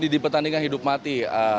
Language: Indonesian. di pertandingan hidup mati